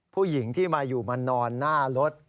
ผู้หญิงที่มาอยู่มานอนหน้ารถ